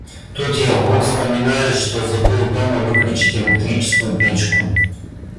Тут я вдруг вспоминаю, что забыл дома выключить электрическую печку.